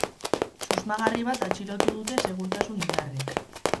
Susmagarri bat atxilotu dute segurtasun indarrek.